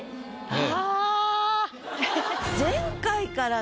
ああ！